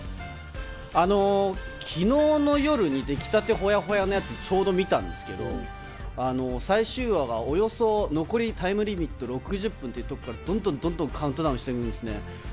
昨日の夜にできたてほやほやのやつをちょうど見たんですけど、最終話がおよそ残りタイムリミット６０分というところからどんどんカウントダウンしていくんですね。